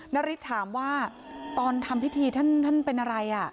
นาริสถามว่าตอนทำพิธีท่านเป็นอะไร